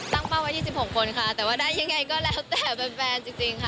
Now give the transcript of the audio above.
เป้าไว้ที่๑๖คนค่ะแต่ว่าได้ยังไงก็แล้วแต่เป็นแฟนจริงค่ะ